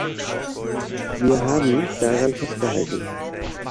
Wir haben daran festgehalten.